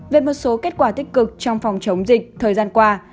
về một số kết quả tích cực trong phòng chống dịch thời gian qua